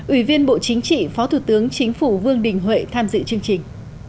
ủy viên bộ chính trị phó thủ tướng chính phủ vương đình huệ tham dự chương trình